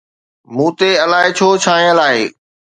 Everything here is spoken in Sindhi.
مون تي الائي ڇو ڇانيل آهي؟